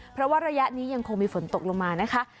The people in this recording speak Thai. เพราะว่าระยะนี้ยังคงมีฝนตกลงมานะคะ